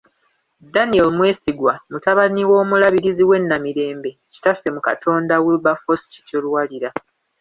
Daniel Mwesigwa mutabani w'omulabirizi w'e Namirembe, kitaffe mu Katonda Wilberforce Kityo Luwalira.